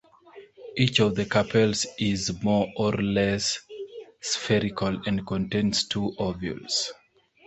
Each of the carpels is more or less spherical and contains two ovules.